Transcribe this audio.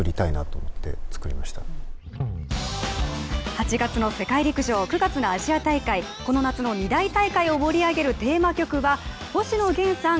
８月の世界陸上、９月のアジア大会、この夏の２大大会を盛り上げるテーマ曲は星野源さん